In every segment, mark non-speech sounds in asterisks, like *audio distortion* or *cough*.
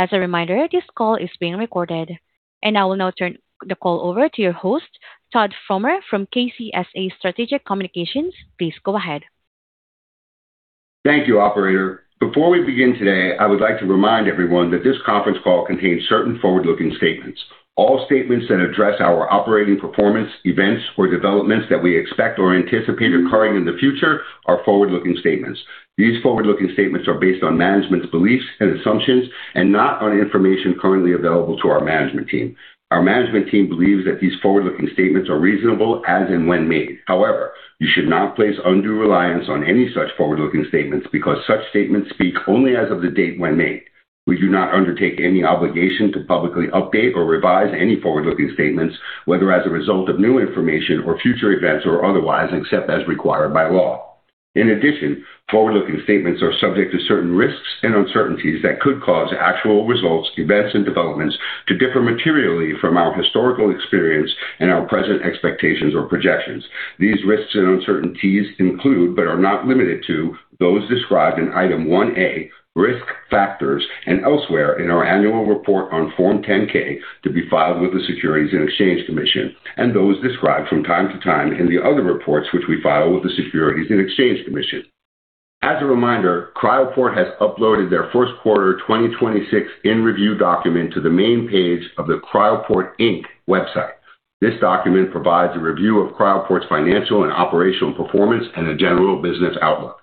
As a reminder, this call is being recorded. I will now turn the call over to your host, Todd Fromer from KCSA Strategic Communications. Please go ahead. Thank you, operator. Before we begin today, I would like to remind everyone that this conference call contains certain forward-looking statements. All statements that address our operating performance, events or developments that we expect or anticipate occurring in the future are forward-looking statements. These forward-looking statements are based on management's beliefs and assumptions and not on information currently available to our management team. Our management team believes that these forward-looking statements are reasonable as and when made. However, you should not place undue reliance on any such forward-looking statements because such statements speak only as of the date when made. We do not undertake any obligation to publicly update or revise any forward-looking statements, whether as a result of new information or future events or otherwise, except as required by law. In addition, forward-looking statements are subject to certain risks and uncertainties that could cause actual results, events and developments to differ materially from our historical experience and our present expectations or projections. These risks and uncertainties include, but are not limited to, those described in Item 1A, risk factors and elsewhere in our annual report on Form 10-K to be filed with the Securities and Exchange Commission, and those described from time to time in the other reports which we file with the Securities and Exchange Commission. As a reminder, Cryoport has uploaded their first quarter 2026 in review document to the main page of the Cryoport, Inc. website. This document provides a review of Cryoport's financial and operational performance and a general business outlook.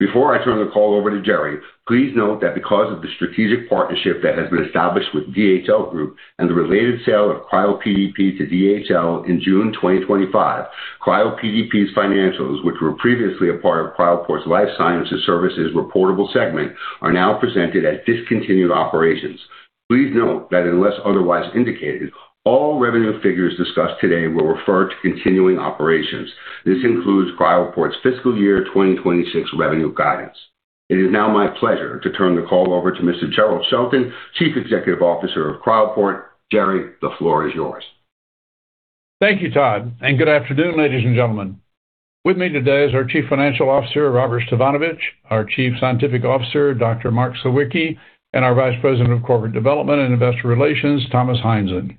Before I turn the call over to Jerry, please note that because of the strategic partnership that has been established with DHL Group and the related sale of CRYOPDP to DHL in June 2025, CRYOPDP's financials, which were previously a part of Cryoport's Life Sciences Services reportable segment, are now presented as discontinued operations. Please note that unless otherwise indicated, all revenue figures discussed today will refer to continuing operations. This includes Cryoport's fiscal year 2026 revenue guidance. It is now my pleasure to turn the call over to Mr. Jerrell Shelton, Chief Executive Officer of Cryoport. Jerry, the floor is yours. Thank you, Todd, and good afternoon, ladies and gentlemen. With me today is our Chief Financial Officer, Robert Stefanovich, our Chief Scientific Officer, Dr. Mark Sawicki, and our Vice President of Corporate Development and Investor Relations, Thomas Heinzen.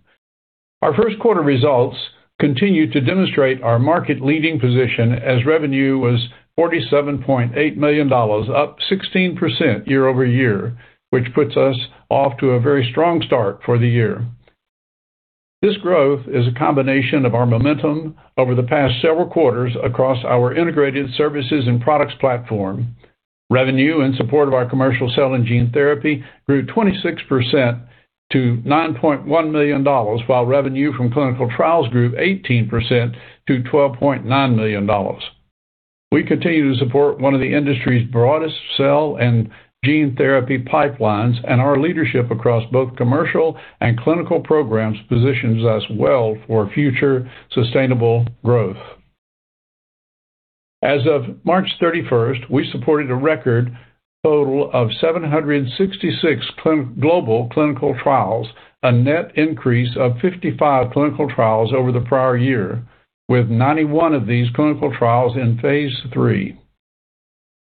Our first quarter results continue to demonstrate our market-leading position as revenue was $47.8 million, up 16% year-over-year, which puts us off to a very strong start for the year. This growth is a combination of our momentum over the past several quarters across our integrated services and products platform. Revenue in support of our commercial cell and gene therapy grew 26% to $9.1 million, while revenue from clinical trials grew 18% to $12.9 million. We continue to support one of the industry's broadest cell and gene therapy pipelines, and our leadership across both commercial and clinical programs positions us well for future sustainable growth. As of March 31st, we supported a record total of 766 global clinical trials, a net increase of 55 clinical trials over the prior year, with 91 of these clinical trials in phase III.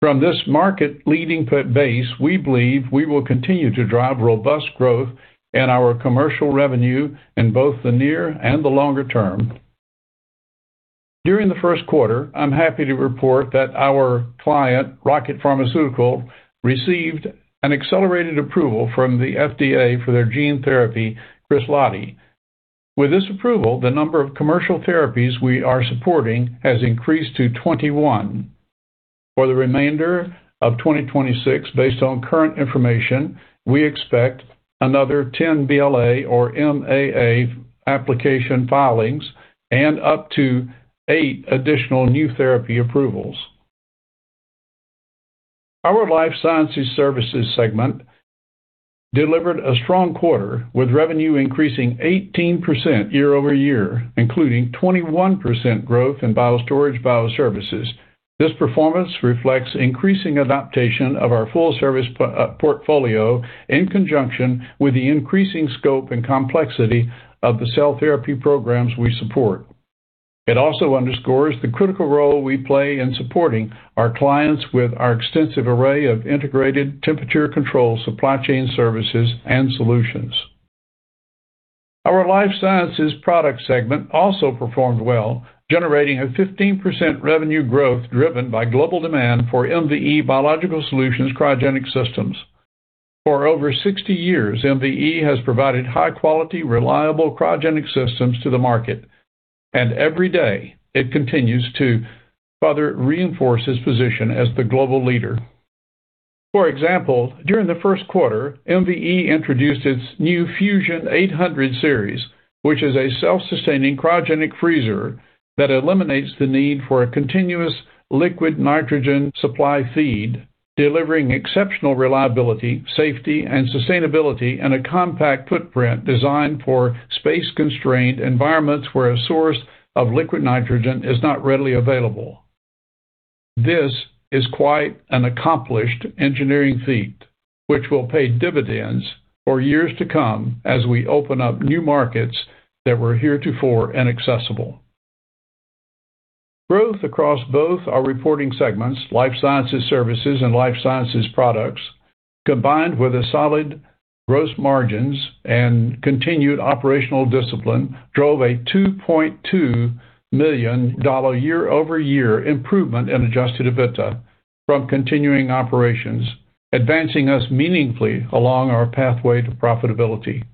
From this market-leading base, we believe we will continue to drive robust growth in our commercial revenue in both the near and the longer term. During the first quarter, I'm happy to report that our client, Rocket Pharmaceuticals, received an accelerated approval from the FDA for their gene therapy, KRESLADI. With this approval, the number of commercial therapies we are supporting has increased to 21. For the remainder of 2026, based on current information, we expect another 10 BLA or MAA application filings and up to eight additional new therapy approvals. Our Life Sciences Services segment delivered a strong quarter, with revenue increasing 18% year-over-year, including 21% growth in BioStorage/BioServices. This performance reflects increasing adaptation of our full service portfolio in conjunction with the increasing scope and complexity of the cell therapy programs we support. It also underscores the critical role we play in supporting our clients with our extensive array of integrated temperature control supply chain services and solutions. Our Life Sciences Products segment also performed well, generating a 15% revenue growth driven by global demand for MVE Biological Solutions cryogenic systems. For over 60 years, MVE has provided high quality, reliable cryogenic systems to the market, and every day it continues to further reinforce its position as the global leader. For example, during the first quarter, MVE introduced its new Fusion 800 Series, which is a self-sustaining cryogenic freezer that eliminates the need for a continuous liquid nitrogen supply feed, delivering exceptional reliability, safety and sustainability in a compact footprint designed for space-constrained environments where a source of liquid nitrogen is not readily available. This is quite an accomplished engineering feat which will pay dividends for years to come as we open up new markets that were heretofore inaccessible. Growth across both our reporting segments, Life Sciences Services and Life Sciences Products, combined with the solid gross margins and continued operational discipline, drove a $2.2 million year-over-year improvement in adjusted EBITDA from continuing operations, advancing us meaningfully along our pathway to profitability.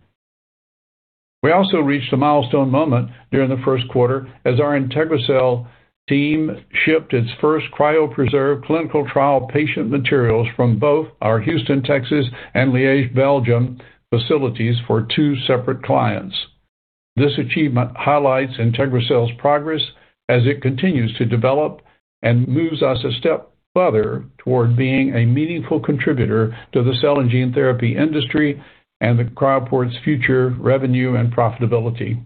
We also reached a milestone moment during the first quarter as our IntegriCell team shipped its first cryopreserved clinical trial patient materials from both our Houston, Texas, and Liège, Belgium facilities for two separate clients. This achievement highlights IntegriCell's progress as it continues to develop and moves us a step further toward being a meaningful contributor to the cell and gene therapy industry and Cryoport's future revenue and profitability.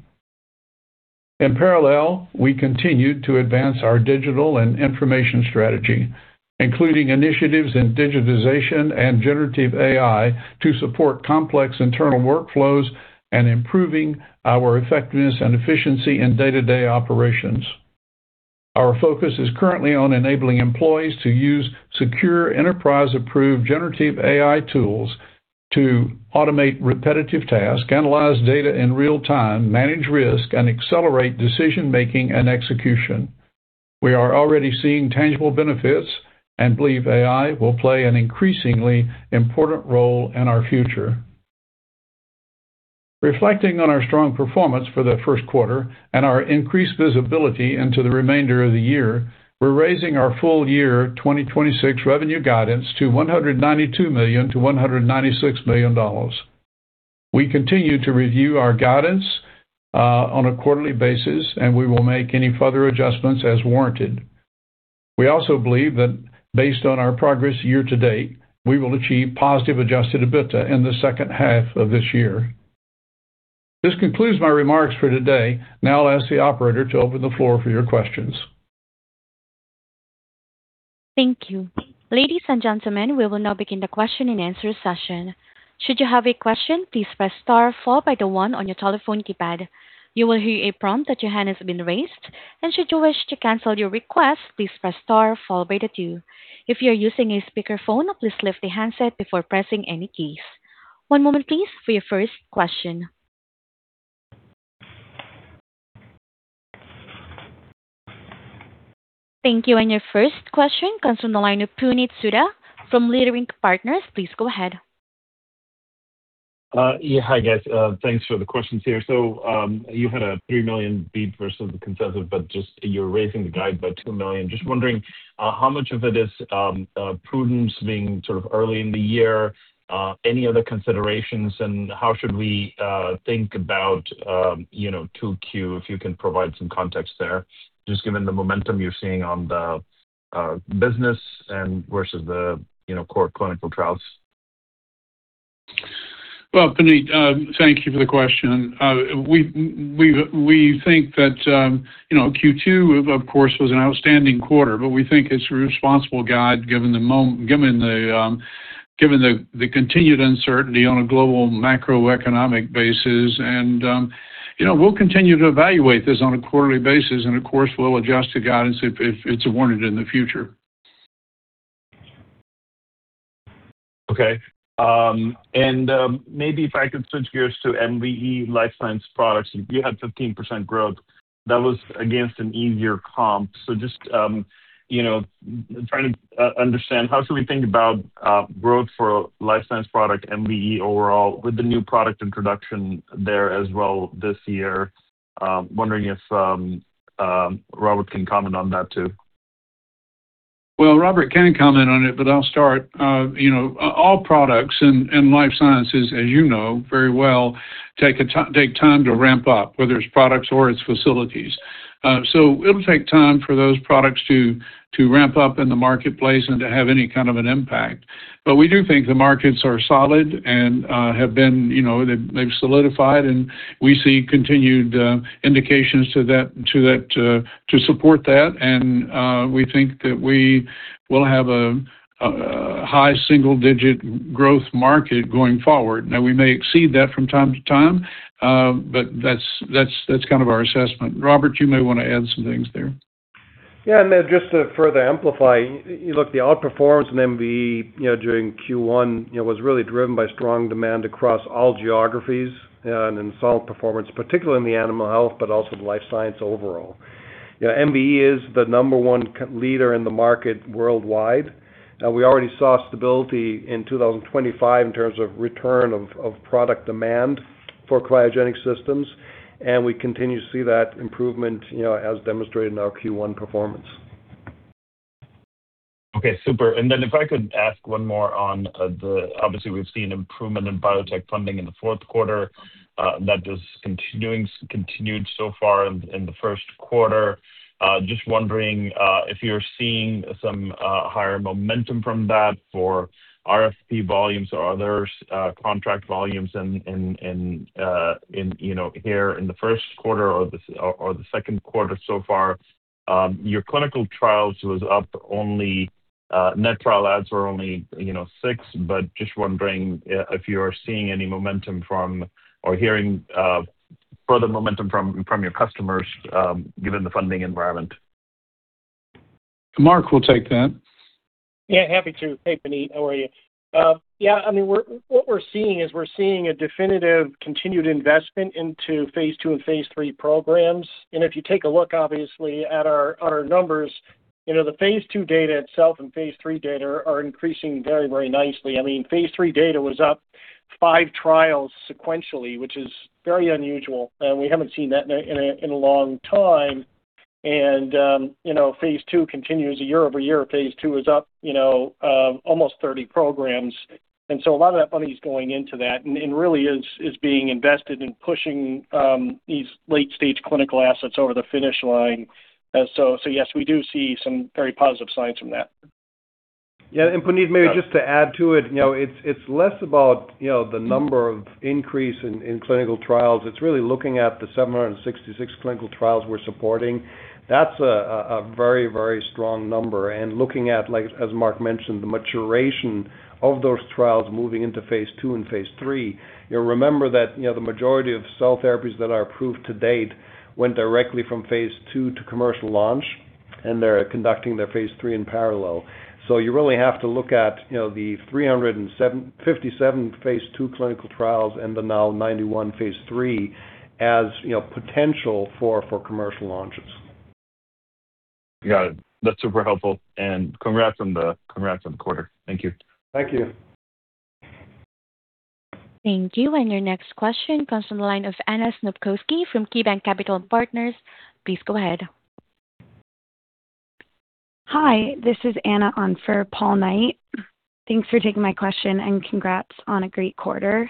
In parallel, we continued to advance our digital and information strategy, including initiatives in digitization and generative AI to support complex internal workflows and improving our effectiveness and efficiency in day-to-day operations. Our focus is currently on enabling employees to use secure enterprise-approved generative AI tools to automate repetitive tasks, analyze data in real time, manage risk, and accelerate decision-making and execution. We are already seeing tangible benefits and believe AI will play an increasingly important role in our future. Reflecting on our strong performance for the first quarter and our increased visibility into the remainder of the year, we're raising our full year 2026 revenue guidance to $192 million-$196 million. We continue to review our guidance on a quarterly basis, and we will make any further adjustments as warranted. We also believe that based on our progress year to date, we will achieve positive adjusted EBITDA in the second half of this year. This concludes my remarks for today. Now I'll ask the operator to open the floor for your questions. Thank you. Ladies and gentlemen, we will now begin the question and answer session. Should you have a question, please press star followed by the one on your telephone keypad. You will hear a prompt that your hand has been raised and should you wish to cancel your request, please press star followed by the two. If you're using a speaker phone, please lift your handset before pressing any keys. One moment please for your first question. Thank you and your first question comes from the line of Puneet Souda from Leerink Partners. Please go ahead. Yeah. Hi, guys. Thanks for the questions here. You had a $3 million beat versus the consensus, but just you're raising the guide by $2 million. Just wondering how much of it is prudence being sort of early in the year, any other considerations, and how should we think about, you know, 2Q, if you can provide some context there, just given the momentum you're seeing on the business and versus the, you know, core clinical trials? Well, Puneet, thank you for the question. We think that, you know, Q2, of course, was an outstanding quarter, but we think it's a responsible guide given the given the continued uncertainty on a global macroeconomic basis. You know, we'll continue to evaluate this on a quarterly basis, and of course, we'll adjust the guidance if it's warranted in the future. Okay. Maybe if I could switch gears to MVE Life Sciences Products. You had 15% growth. That was against an easier comp. So just, you know, trying to understand, how should we think about growth for Life Sciences Products MVE overall with the new product introduction there as well this year? Wondering if Robert can comment on that too. Well, Robert can comment on it, but I'll start. You know, all products in life sciences, as you know very well, take time to ramp up, whether it's products or it's facilities. It'll take time for those products to ramp up in the marketplace and to have any kind of an impact. We do think the markets are solid and have been, you know, they've solidified, and we see continued indications to that, to that, to support that. We think that we will have a high single-digit growth market going forward. Now, we may exceed that from time to time, but that's kind of our assessment. Robert, you may want to add some things there. Yeah. Just to further amplify, look, the outperformance in MVE, you know, during Q1, you know, was really driven by strong demand across all geographies and in solid performance, particularly in the animal health but also the life science overall. You know, MVE is the number one leader in the market worldwide. We already saw stability in 2025 in terms of return of product demand for cryogenic systems, and we continue to see that improvement, you know, as demonstrated in our Q1 performance. Okay. Super. If I could ask one more on, obviously, we've seen improvement in biotech funding in the fourth quarter that is continued so far in the first quarter. Just wondering if you're seeing some higher momentum from that for RFP volumes or other contract volumes in, you know, here in the first quarter or the second quarter so far. Your clinical trials was up only, net trial adds were only, you know, six, but just wondering if you are seeing any momentum from or hearing further momentum from your customers given the funding environment. Mark will take that. Yeah, happy to. Hey, Puneet, how are you? Yeah, I mean, what we're seeing is a definitive continued investment into phase II and phase III programs. If you take a look, obviously, at our numbers, you know, the phase II data itself and phase III data are increasing very, very nicely. I mean, phase III data was up five trials sequentially, which is very unusual, and we haven't seen that in a, in a long time. You know, phase II continues. Year over year, phase II is up, you know, almost 30 programs. A lot of that money is going into that and really is being invested in pushing these late-stage clinical assets over the finish line. So yes, we do see some very positive signs from that. Yeah. Puneet, maybe just to add to it, you know, it's less about, you know, the number of increase in clinical trials. It's really looking at the 766 clinical trials we're supporting. That's a very, very strong number. Looking at, like as Mark mentioned, the maturation of those trials moving into phase II and phase III. You'll remember that, you know, the majority of cell therapies that are approved to date went directly from phase II to commercial launch, and they're conducting their phase III in parallel. You really have to look at, you know, the 357 phase II clinical trials and the now 91 phase III as, you know, potential for commercial launches. Got it. That's super helpful. Congrats on the quarter. Thank you. Thank you. Thank you. Your next question comes from the line of Anna Snopkowski from KeyBanc Capital Markets. Please go ahead. Hi, this is Anna on for Paul Knight. Thanks for taking my question, and congrats on a great quarter.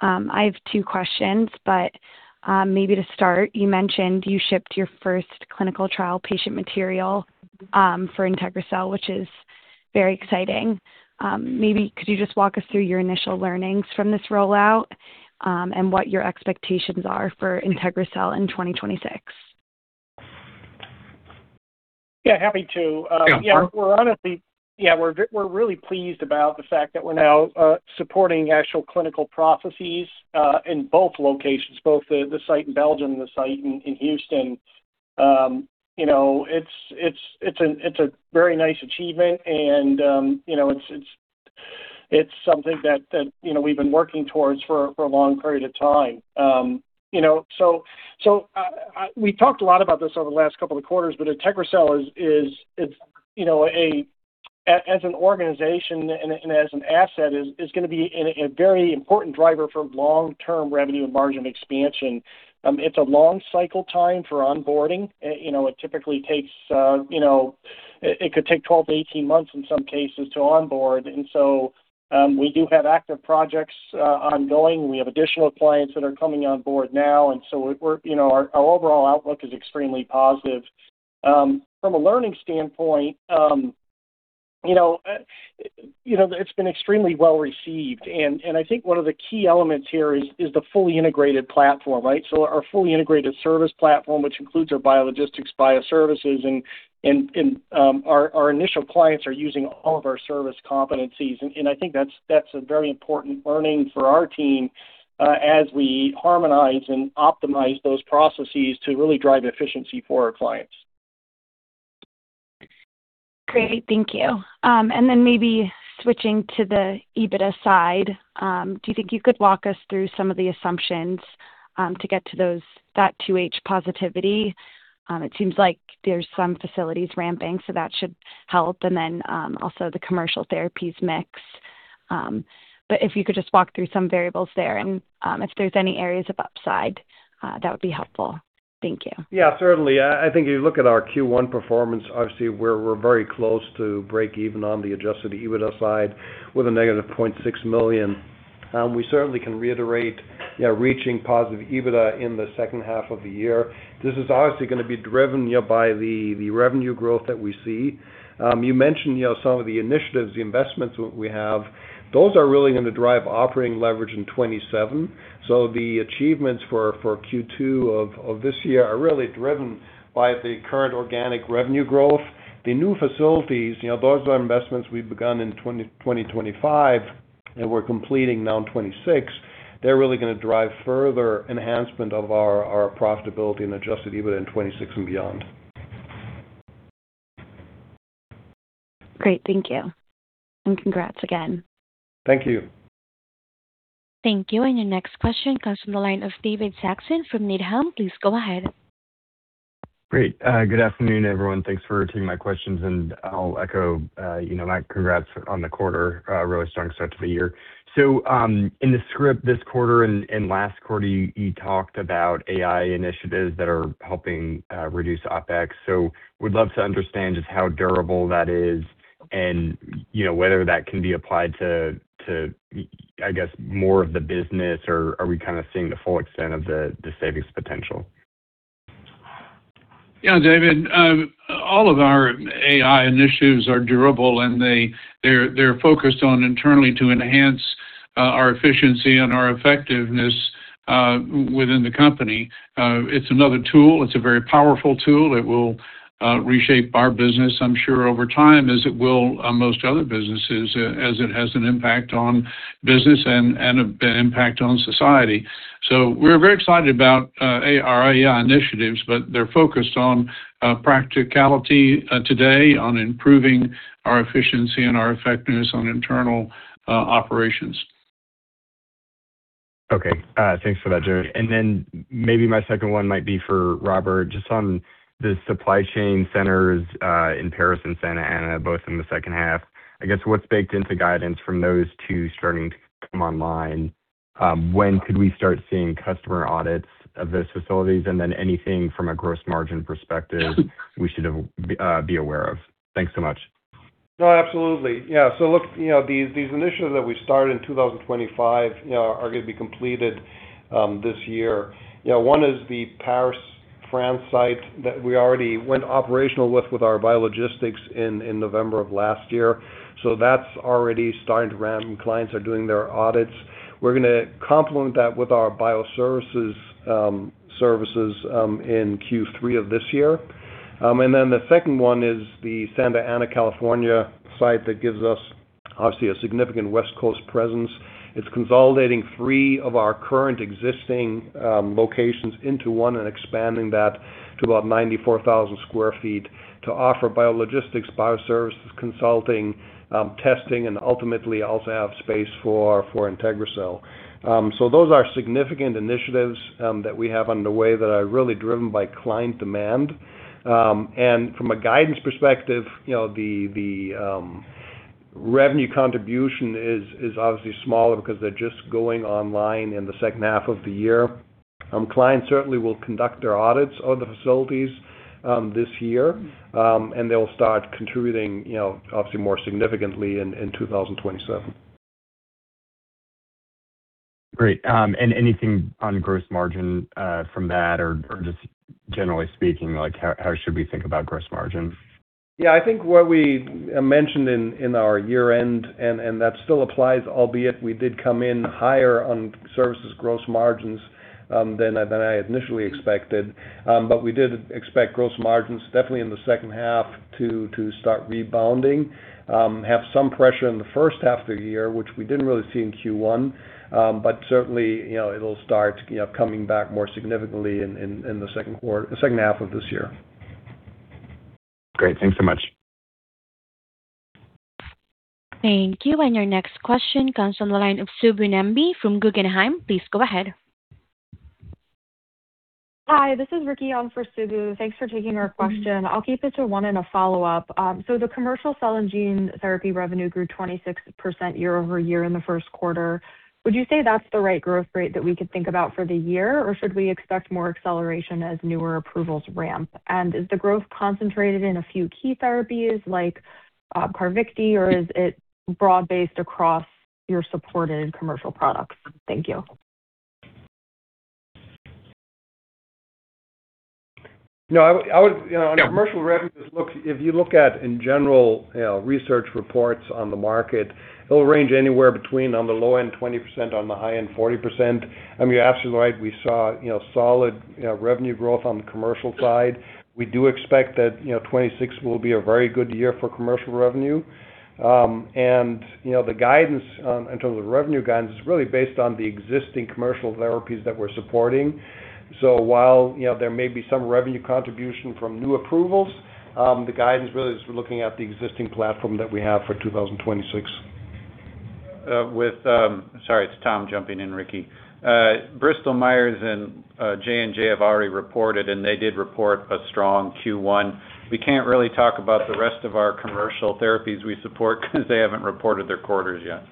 I have two questions, but maybe to start, you mentioned you shipped your first clinical trial patient material for IntegriCell, which is very exciting. Maybe could you just walk us through your initial learnings from this rollout, and what your expectations are for IntegriCell in 2026? Yeah, happy to. *audio distortion* Yeah, we're really pleased about the fact that we're now supporting actual clinical processes in both locations, both the site in Belgium and the site in Houston. You know, it's, it's a very nice achievement and, you know, it's, it's something that, you know, we've been working towards for a long period of time. You know, so, we talked a lot about this over the last couple of quarters, but IntegriCell is, it's, you know, as an organization and as an asset is gonna be a very important driver for long-term revenue and margin expansion. It's a long cycle time for onboarding. You know, it typically takes, you know, it could take 12 to 18 months in some cases to onboard. We do have active projects ongoing. We have additional clients that are coming on board now, and so you know, our overall outlook is extremely positive. From a learning standpoint, you know, it's been extremely well-received. I think one of the key elements here is the fully integrated platform, right? Our fully integrated service platform, which includes our biologistics bioservices, our initial clients are using all of our service competencies. I think that's a very important learning for our team as we harmonize and optimize those processes to really drive efficiency for our clients. Great. Thank you. Maybe switching to the EBITDA side, do you think you could walk us through some of the assumptions to get to that 2H positivity? It seems like there's some facilities ramping, so that should help. Also the commercial therapies mix. If you could just walk through some variables there and, if there's any areas of upside, that would be helpful. Thank you. Yeah, certainly. I think if you look at our Q1 performance, obviously we're very close to break even on the adjusted EBITDA side with a -$0.6 million. We certainly can reiterate, yeah, reaching positive EBITDA in the second half of the year. This is obviously gonna be driven, you know, by the revenue growth that we see. You mentioned, you know, some of the initiatives, the investments we have. Those are really gonna drive operating leverage in 2027. The achievements for Q2 of this year are really driven by the current organic revenue growth. The new facilities, you know, those are investments we've begun in 2025 and we're completing now in 2026. They're really gonna drive further enhancement of our profitability and adjusted EBITDA in 2026 and beyond. Great. Thank you. Congrats again. Thank you. Thank you. Your next question comes from the line of David Saxon from Needham. Please go ahead. Great. Good afternoon, everyone. Thanks for taking my questions, and I'll echo, you know, my congrats on the quarter. Really strong start to the year. In the script this quarter and last quarter, you talked about AI initiatives that are helping reduce OpEx. Would love to understand just how durable that is and, you know, whether that can be applied to, I guess, more of the business, or are we kinda seeing the full extent of the savings potential? Yeah, David, all of our AI initiatives are durable, and they're focused on internally to enhance our efficiency and our effectiveness within the company. It's another tool. It's a very powerful tool. It will reshape our business, I'm sure, over time as it will most other businesses as it has an impact on business and an impact on society. We're very excited about our AI initiatives, but they're focused on practicality today, on improving our efficiency and our effectiveness on internal operations. Okay. Thanks for that, Jerry. Maybe my second one might be for Robert, just on the supply chain centers in Paris and Santa Ana, both in the second half. I guess, what's baked into guidance from those two starting to come online? When could we start seeing customer audits of those facilities? Anything from a gross margin perspective we should be aware of. Thanks so much. No, absolutely. You know, these initiatives that we started in 2025, you know, are gonna be completed this year. You know, one is the Paris, France site that we already went operational with our biologistics in November of last year. That's already starting to ramp, and clients are doing their audits. We're gonna complement that with our BioServices in Q3 of this year. The second one is the Santa Ana, California site that gives us, obviously, a significant West Coast presence. It's consolidating three of our current existing locations into one and expanding that to about 94,000 sq ft to offer biologistics, BioServices, consulting, testing, and ultimately also have space for IntegriCell. Those are significant initiatives that we have underway that are really driven by client demand. From a guidance perspective, you know, the revenue contribution is obviously smaller because they're just going online in the second half of the year. Clients certainly will conduct their audits of the facilities this year, and they'll start contributing, you know, obviously more significantly in 2027. Great. Anything on gross margin from that or just generally speaking, how should we think about gross margin? Yeah. I think what we mentioned in our year-end, and that still applies, albeit we did come in higher on services gross margins than I initially expected. We did expect gross margins definitely in the second half to start rebounding, have some pressure in the first half of the year, which we didn't really see in Q1. Certainly, you know, it'll start, you know, coming back more significantly in the second half of this year. Great. Thanks so much. Thank you. Your next question comes from the line of Subbu Nambi from Guggenheim. Please go ahead. Hi, this is Ricki on for Subbu. Thanks for taking our question. I'll keep it to one and a follow-up. The commercial cell and gene therapy revenue grew 26% year-over-year in the first quarter. Would you say that's the right growth rate that we could think about for the year, or should we expect more acceleration as newer approvals ramp? Is the growth concentrated in a few key therapies like CARVYKTI, or is it broad-based across your supported commercial products? Thank you. No, I would, you know, on commercial revenues, if you look at in general, you know, research reports on the market, it'll range anywhere between on the low end, 20%, on the high end, 40%. I mean, you're absolutely right. We saw, you know, solid, you know, revenue growth on the commercial side. We do expect that, you know, 2026 will be a very good year for commercial revenue. You know, the guidance in terms of revenue guidance is really based on the existing commercial therapies that we're supporting. While, you know, there may be some revenue contribution from new approvals, the guidance really is we're looking at the existing platform that we have for 2026. With, Sorry, it's Tom jumping in, Ricki. Bristol Myers and J&J have already reported, and they did report a strong Q1. We can't really talk about the rest of our commercial therapies we support because they haven't reported their quarters yet.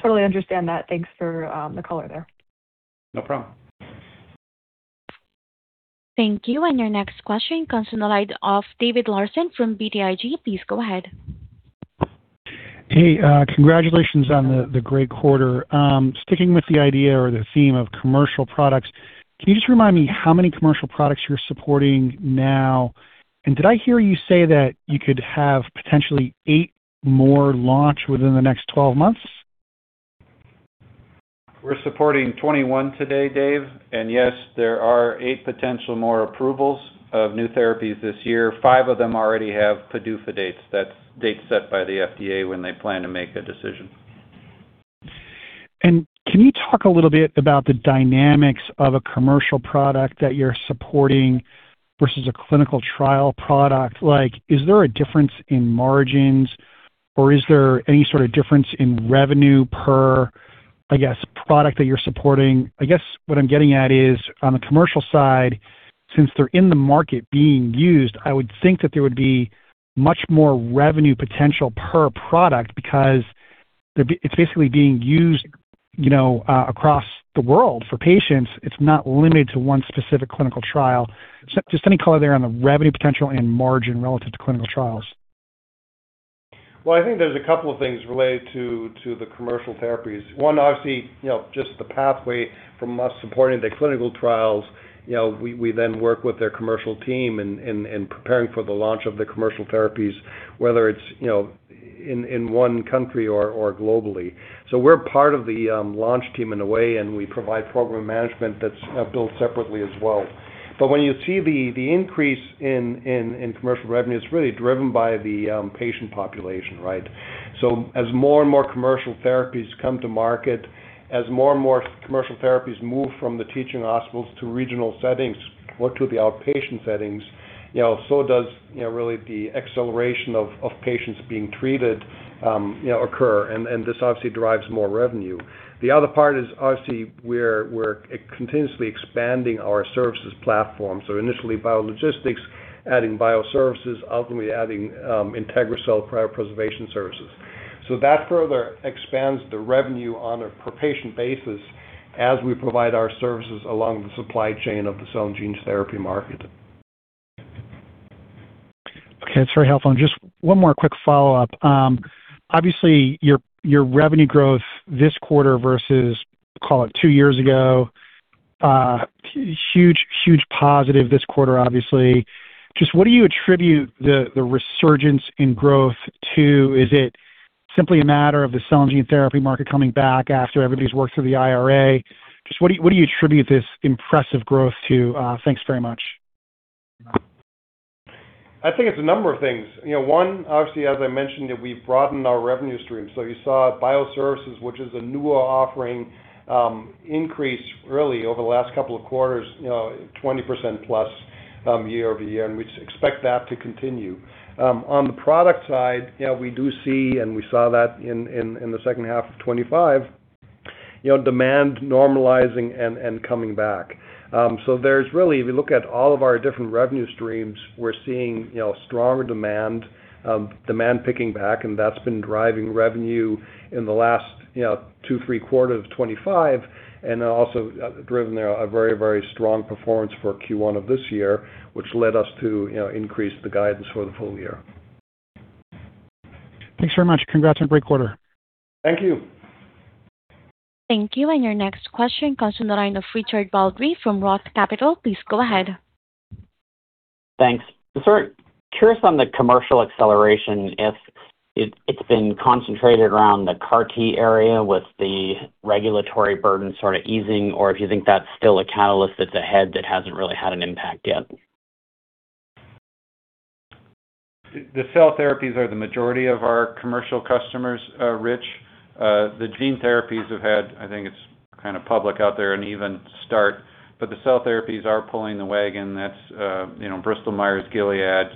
Totally understand that. Thanks for the color there. No problem. Thank you. Your next question comes on the line of David Larsen from BTIG. Please go ahead. Hey, congratulations on the great quarter. Sticking with the idea or the theme of commercial products, can you just remind me how many commercial products you're supporting now? Did I hear you say that you could have potentially eight more launch within the next 12 months? We're supporting 21 today, Dave. Yes, there are eight potential more approvals of new therapies this year. Five of them already have PDUFA dates. That's dates set by the FDA when they plan to make a decision. Can you talk a little bit about the dynamics of a commercial product that you're supporting versus a clinical trial product? Is there a difference in margins, or is there any sort of difference in revenue per, I guess, product that you're supporting? I guess what I'm getting at is, on the commercial side, since they're in the market being used, I would think that there would be much more revenue potential per product because it's basically being used, you know, across the world for patients. It's not limited to one specific clinical trial. Any color there on the revenue potential and margin relative to clinical trials. I think there's a couple of things related to the commercial therapies. One, obviously, you know, just the pathway from us supporting the clinical trials, you know, we then work with their commercial team in preparing for the launch of the commercial therapies, whether it's, you know, in one country or globally. We're part of the launch team in a way, and we provide program management that's built separately as well. When you see the increase in commercial revenue, it's really driven by the patient population, right? As more and more commercial therapies come to market, as more and more commercial therapies move from the teaching hospitals to regional settings or to the outpatient settings, you know, so does, you know, really the acceleration of patients being treated, you know, occur. This obviously drives more revenue. The other part is obviously we're continuously expanding our services platform. Initially biologistics, adding BioServices, ultimately adding IntegriCell preservation services. That further expands the revenue on a per patient basis as we provide our services along the supply chain of the cell and gene therapy market. Okay. That's very helpful. Just one more quick follow-up. Obviously your revenue growth this quarter versus, call it two years ago, huge positive this quarter, obviously. Just what do you attribute the resurgence in growth to? Is it simply a matter of the cell and gene therapy market coming back after everybody's worked through the IRA? Just what do you attribute this impressive growth to? Thanks very much. I think it's a number of things. You know, one, obviously, as I mentioned, that we've broadened our revenue stream. You saw BioServices, which is a newer offering, increase really over the last couple of quarters, you know, 20%+ year-over-year, and we expect that to continue. On the product side, you know, we do see, and we saw that in the second half of 2025, you know, demand normalizing and coming back. If you look at all of our different revenue streams, we're seeing, you know, stronger demand picking back, and that's been driving revenue in the last, you know, two, three quarters of 2025, and also, driven a very, very strong performance for Q1 of this year, which led us to, you know, increase the guidance for the full year. Thanks very much. Congrats on a great quarter. Thank you. Thank you. Your next question comes on the line of Richard Baldry from Roth Capital. Please go ahead. Thanks. Just sort of curious on the commercial acceleration, if it's been concentrated around the CAR T area with the regulatory burden sort of easing or if you think that's still a catalyst that's ahead that hasn't really had an impact yet. The cell therapies are the majority of our commercial customers, Rich. The gene therapies have had, I think it's kind of public out there, an even start. The cell therapies are pulling the wagon. That's, you know, Bristol Myers, Gilead,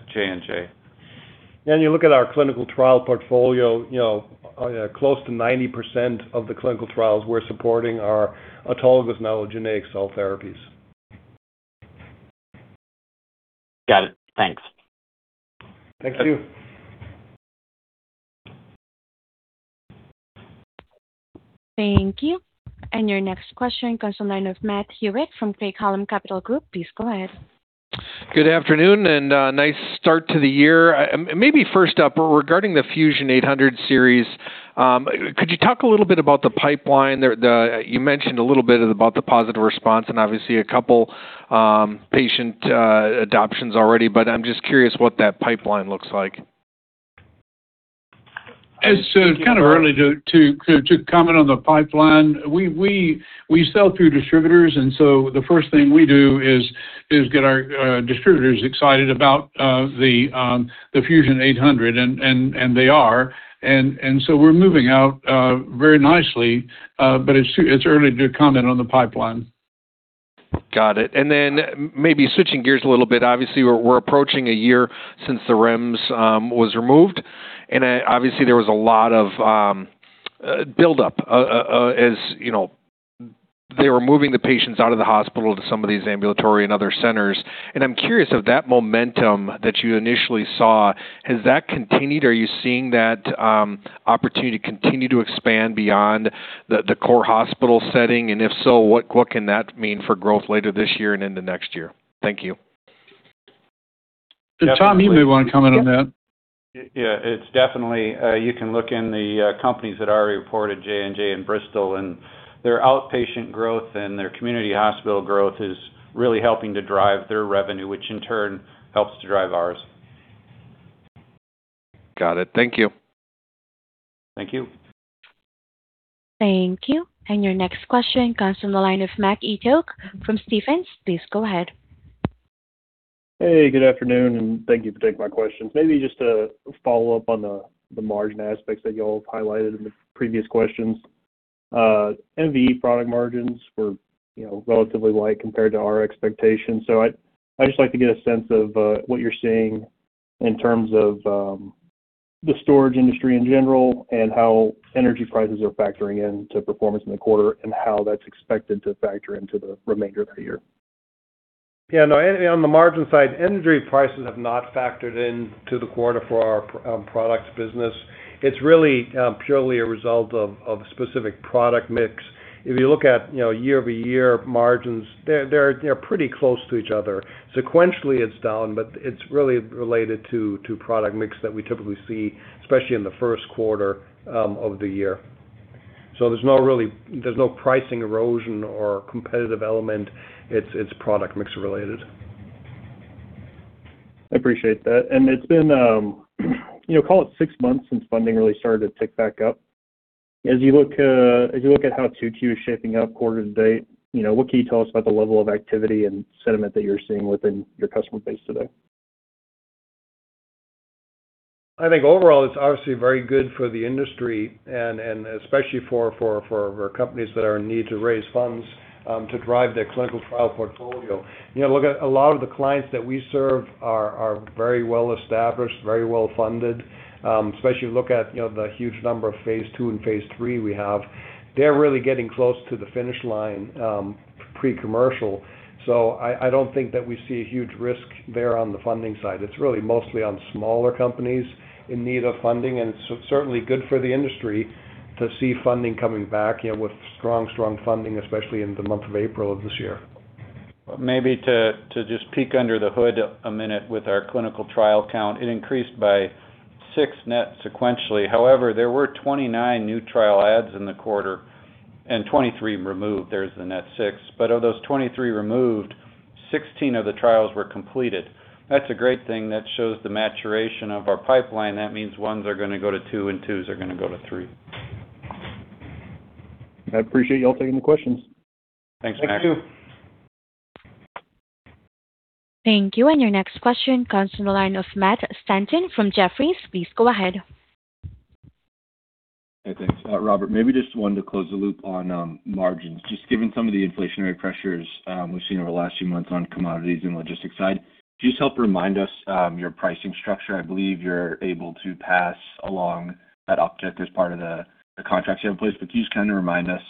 J&J. You look at our clinical trial portfolio, you know, close to 90% of the clinical trials we're supporting are autologous immunogenetic cell therapies. Got it. Thanks. Thank you. Thank you. Your next question comes on line of Matt Hewitt from Craig-Hallum Capital Group. Please go ahead. Good afternoon and nice start to the year. Maybe first up, regarding the Fusion 800 Series, could you talk a little bit about the pipeline? You mentioned a little bit about the positive response and obviously a couple patient adoptions already, but I'm just curious what that pipeline looks like. It's kind of early to comment on the pipeline. We sell through distributors. The first thing we do is get our distributors excited about the Fusion 800, and they are. We're moving out very nicely, but it's early to comment on the pipeline. Got it. Maybe switching gears a little bit, obviously we're approaching a year since the REMS was removed. Obviously there was a lot of buildup, as, you know, they were moving the patients out of the hospital to some of these ambulatory and other centers. I'm curious if that momentum that you initially saw, has that continued? Are you seeing that opportunity continue to expand beyond the core hospital setting? If so, what can that mean for growth later this year and into next year? Thank you. Tom, you may want to comment on that. Yeah. It's definitely, you can look in the companies that already reported J&J and Bristol and their outpatient growth and their community hospital growth is really helping to drive their revenue, which in turn helps to drive ours. Got it. Thank you. Thank you. Thank you. Your next question comes from the line of Mac Etoch from Stephens. Please go ahead. Hey, good afternoon, and thank you for taking my questions. Maybe just to follow up on the margin aspects that y'all have highlighted in the previous questions. MVE product margins were, you know, relatively light compared to our expectations. I'd just like to get a sense of what you're seeing in terms of the storage industry in general and how energy prices are factoring in to performance in the quarter and how that's expected to factor into the remainder of the year. Yeah, no. On the margin side, energy prices have not factored into the quarter for our products business. It's really purely a result of specific product mix. If you look at, you know, year-over-year margins, they're pretty close to each other. Sequentially, it's down, but it's really related to product mix that we typically see, especially in the first quarter of the year. There's no pricing erosion or competitive element. It's product mix related. I appreciate that. It's been, you know, call it six months since funding really started to tick back up. As you look at how 2Q is shaping up quarter to date, you know, what can you tell us about the level of activity and sentiment that you're seeing within your customer base today? I think overall it's obviously very good for the industry and especially for companies that are in need to raise funds to drive their clinical trial portfolio. You know, look at a lot of the clients that we serve are very well-established, very well-funded. Especially if you look at, you know, the huge number of phase II and phase III we have. They're really getting close to the finish line, pre-commercial. I don't think that we see a huge risk there on the funding side. It's really mostly on smaller companies in need of funding. It's certainly good for the industry to see funding coming back, you know, with strong funding, especially in the month of April of this year. Maybe to just peek under the hood a minute with our clinical trial count, it increased by six net sequentially. There were 29 new trial adds in the quarter and 23 removed. There's the net six. Of those 23 removed, 16 of the trials were completed. That's a great thing. That shows the maturation of our pipeline. That means ones are gonna go to two and twos are gonna go to three. I appreciate y'all taking the questions. Thanks, Mac. Thank you. Thank you. Your next question comes from the line of Matt Stanton from Jefferies. Please go ahead. Hey, thanks. Robert, maybe just one to close the loop on margins. Just given some of the inflationary pressures we've seen over the last few months on commodities and logistics side, could you just help remind us your pricing structure? I believe you're able to pass along that object as part of the contracts you have in place, but can you just kinda remind us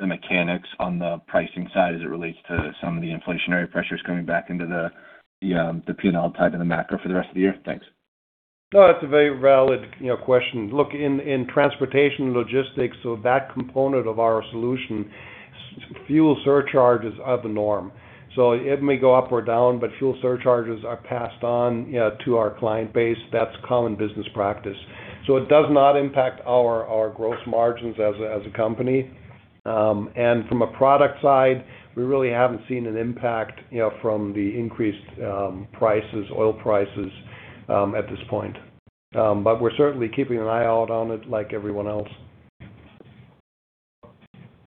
the mechanics on the pricing side as it relates to some of the inflationary pressures coming back into the P&L type and the macro for the rest of the year? Thanks. No, that's a very valid, you know, question. Look, in transportation and logistics, that component of our solution, fuel surcharges are the norm. It may go up or down, fuel surcharges are passed on, yeah, to our client base. That's common business practice. It does not impact our growth margins as a, as a company. From a product side, we really haven't seen an impact, you know, from the increased prices, oil prices, at this point. We're certainly keeping an eye out on it like everyone else.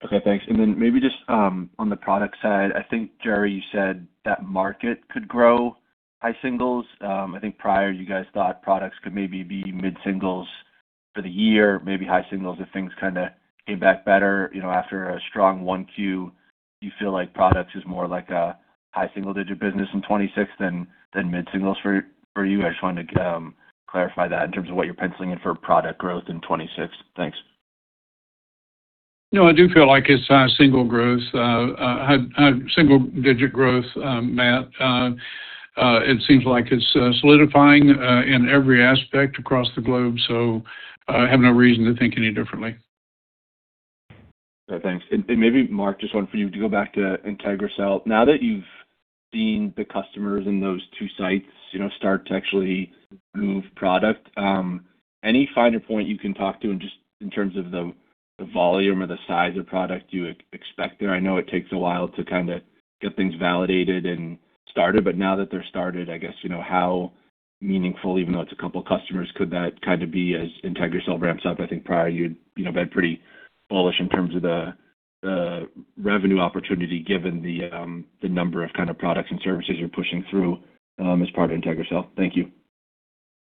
Okay, thanks. Maybe just on the product side, I think, Jerry, you said that market could grow high singles. I think prior you guys thought products could maybe be mid-singles for the year, maybe high singles if things kinda came back better, you know, after a strong 1Q. Do you feel like products is more like a high single digit business in 2026 than mid-singles for you? I just wanted to clarify that in terms of what you're penciling in for product growth in 2026. Thanks. No, I do feel like it's high single growth. High single digit growth, Matt. It seems like it's solidifying in every aspect across the globe. I have no reason to think any differently. Okay, thanks. Maybe Mark, just one for you to go back to IntegriCell. Now that you've seen the customers in those two sites, you know, start to actually move product, any finer point you can talk to in just in terms of the volume or the size of product you expect there? I know it takes a while to kinda get things validated and started, but now that they're started, I guess, you know, how meaningful, even though it's a couple customers, could that kinda be as IntegriCell ramps up? I think prior you'd, you know, been pretty bullish in terms of the revenue opportunity given the number of kinda products and services you're pushing through as part of IntegriCell. Thank you.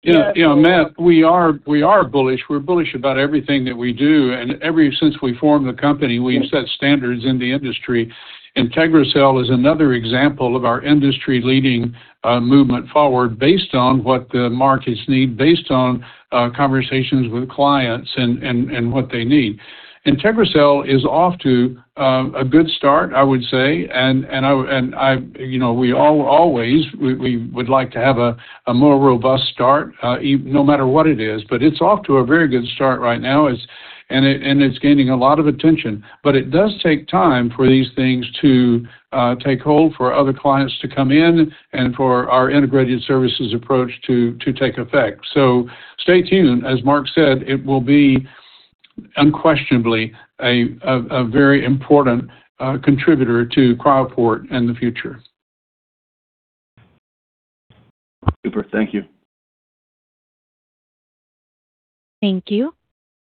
Yeah. You know, Matt, we are bullish. We're bullish about everything that we do. Ever since we formed the company, we've set standards in the industry. IntegriCell is another example of our industry leading a movement forward based on what the markets need, based on conversations with clients and what they need. IntegriCell is off to a good start, I would say. And I, you know, we always would like to have a more robust start no matter what it is, but it's off to a very good start right now. And it's gaining a lot of attention. It does take time for these things to take hold for other clients to come in and for our integrated services approach to take effect. Stay tuned. As Mark said, it will be unquestionably a very important contributor to Cryoport in the future. Super. Thank you. Thank you.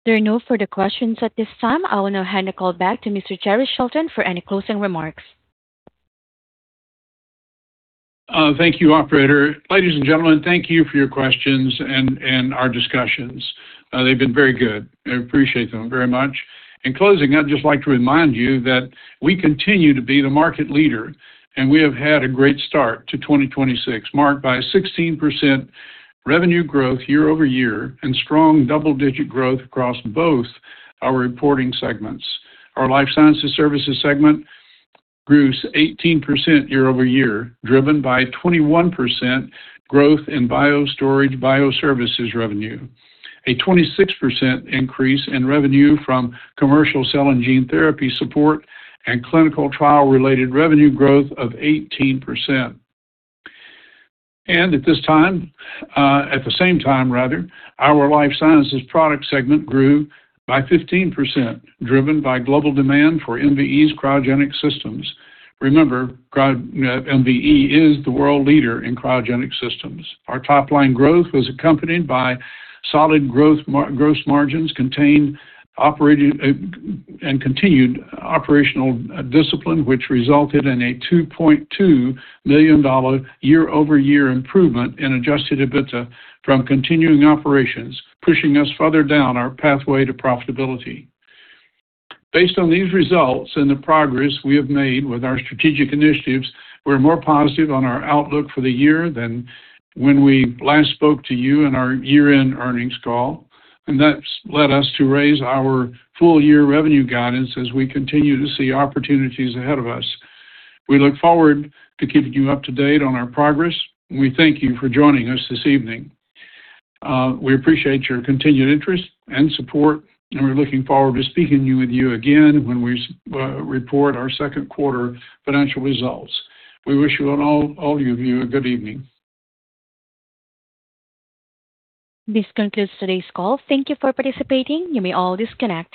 There are no further questions at this time. I will now hand the call back to Mr. Jerrell Shelton for any closing remarks. Thank you, operator. Ladies and gentlemen, thank you for your questions and our discussions. They've been very good. I appreciate them very much. In closing, I'd just like to remind you that we continue to be the market leader. We have had a great start to 2026, marked by a 16% revenue growth year-over-year and strong double-digit growth across both our reporting segments. Our Life Sciences Services segment grew 18% year-over-year, driven by 21% growth in BioStorage/BioServices revenue, a 26% increase in revenue from commercial cell and gene therapy support, and clinical trial-related revenue growth of 18%. At this time, at the same time rather, our Life Sciences Products segment grew by 15%, driven by global demand for MVE's cryogenic systems. Remember, MVE is the world leader in cryogenic systems. Our top-line growth was accompanied by solid gross margins, contained operating, and continued operational discipline, which resulted in a $2.2 million year-over-year improvement in adjusted EBITDA from continuing operations, pushing us further down our pathway to profitability. Based on these results and the progress we have made with our strategic initiatives, we're more positive on our outlook for the year than when we last spoke to you in our year-end earnings call. That's led us to raise our full-year revenue guidance as we continue to see opportunities ahead of us. We look forward to keeping you up to date on our progress. We thank you for joining us this evening. We appreciate your continued interest and support, and we're looking forward to speaking with you again when we report our second quarter financial results. We wish all of you a good evening. This concludes today's call. Thank you for participating. You may all disconnect.